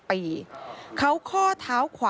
มันมีโอกาสเกิดอุบัติเหตุได้นะครับ